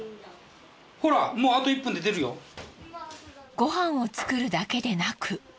ご飯を作るだけでなく。